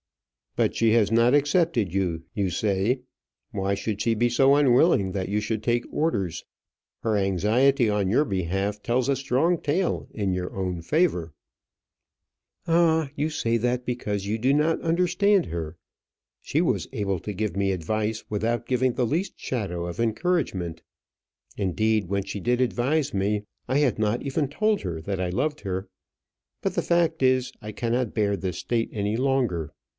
"But she has not accepted you, you say. Why should she be so unwilling that you should take orders? Her anxiety on your behalf tells a strong tale in your own favour." "Ah! you say that because you do not understand her. She was able to give me advice without giving the least shadow of encouragement. Indeed, when she did advise me, I had not even told her that I loved her. But the fact is, I cannot bear this state any longer.